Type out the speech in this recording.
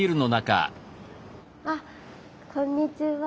あこんにちは。